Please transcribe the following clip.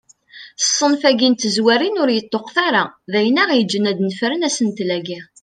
Ṣṣenf-agi n tezrawin ur yeṭṭuqet ara, d ayen aɣ-yeǧǧen ad d-nefren asentel-agi.